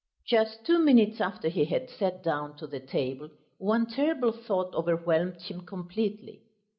Just two minutes after he had sat down to the table one terrible thought overwhelmed him completely.